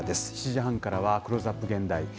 ７時半からはクローズアップ現代。